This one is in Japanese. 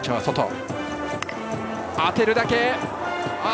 当てるだけ。